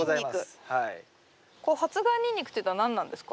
発芽ニンニクっていうのは何なんですか？